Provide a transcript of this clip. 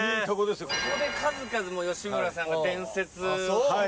ここで数々吉村さんが伝説をああ